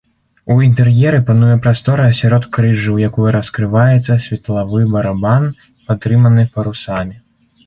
У інтэр'еры пануе прастора сяродкрыжжа, у якую раскрываецца светлавы барабан, падтрыманы парусамі.